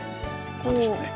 どうでしょうね。